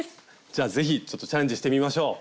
じゃあ是非ちょっとチャレンジしてみましょう。